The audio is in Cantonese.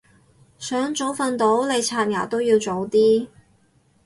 想早瞓到你刷牙都要早啲